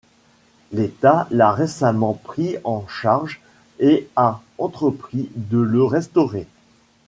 L'état l'a récemment pris en charge et a entrepris de le restaurer.